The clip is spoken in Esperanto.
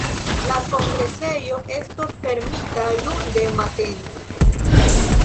La kongresejo estos fermita lunde matene.